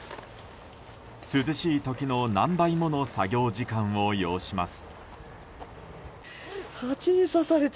涼しい時の何倍もの作業時間を要します。